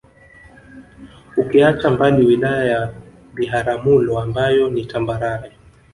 Ukiacha mbali Wilaya ya Biharamulo ambayo ni tambarare